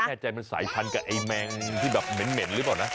แน่ใจมันสายพันธุกับไอ้แมงที่แบบเหม็นหรือเปล่านะ